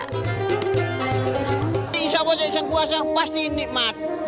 kalau bisa puasa pasti nikmat